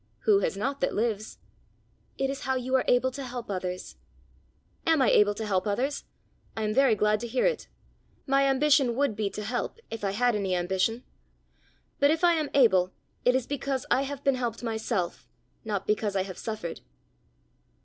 "Who has not that lives?" "It is how you are able to help others!" "Am I able to help others? I am very glad to hear it. My ambition would be to help, if I had any ambition. But if I am able, it is because I have been helped myself, not because I have suffered."